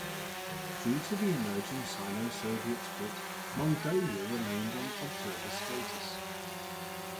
Due to the emerging Sino-Soviet split, Mongolia remained on observer status.